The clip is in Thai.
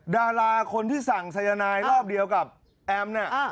ดาราคนที่สั่งสายนายรอบเดียวกับแอมเนี่ย